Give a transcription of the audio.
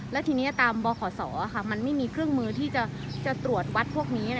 แล้วทีนี้ตามบขศมันไม่มีเครื่องมือที่จะตรวจวัดพวกนี้